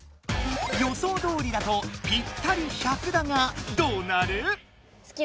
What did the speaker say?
予想どおりだとぴったり１００だがどうなる？